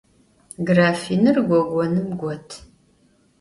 Grafinır gogonım got.